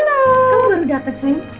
kamu baru dapet sayang